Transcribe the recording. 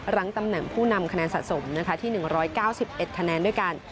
ตำแหน่งผู้นำคะแนนสะสมนะคะที่๑๙๑คะแนนด้วยกัน